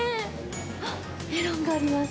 はっメロンがあります。